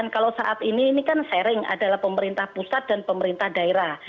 kalau saat ini ini kan sharing adalah pemerintah pusat dan pemerintah daerah